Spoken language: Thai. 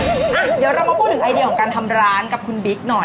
เดี๋ยวเรามาพูดถึงไอเดียของการทำร้านกับคุณบิ๊กหน่อย